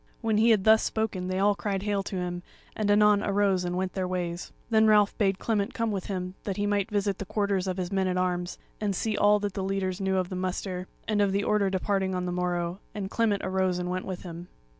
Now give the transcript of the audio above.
When he had thus spoken they all cried hail to him, and anon arose and went their ways. Then Ralph bade Clement come with him that he might visit the quarters of his men at arms, and see that all the leaders knew of the muster, and of the order of departing on the morrow; and Clement arose and went with him.